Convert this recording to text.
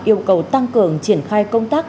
yêu cầu tăng cường triển khai công tác